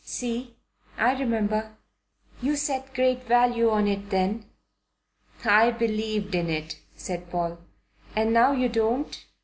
See? I remember. You set great value on it then?" "I believed in it," said Paul. "And now you don't?